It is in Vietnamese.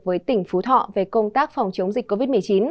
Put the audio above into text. với tỉnh phú thọ về công tác phòng chống dịch covid một mươi chín